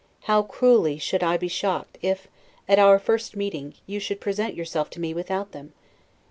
How cruelly should I be shocked, if, at our first meeting, you should present yourself to me without them!